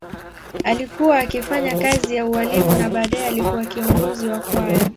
Alikuwa akifanya kazi ya ualimu na baadaye alikuwa kiongozi wa kwaya.